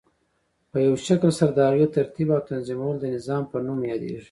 په یوه شکل سره د هغی ترتیب او تنظیمول د نظام په نوم یادیږی.